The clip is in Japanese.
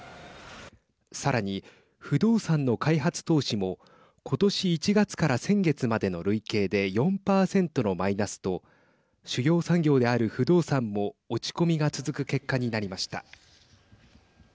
さらに、不動産の開発投資もことし１月から先月までの累計で４％のマイナスと主要産業である不動産も落ち込みが続く結果になりました。